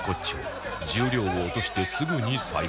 重量を落としてすぐに再開